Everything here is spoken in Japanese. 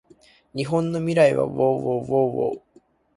日本の未来はうぉううぉううぉううぉう